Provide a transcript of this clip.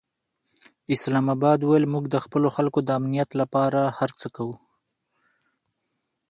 اسلام اباد وویل، موږ د خپلو خلکو د امنیت لپاره هر څه کوو.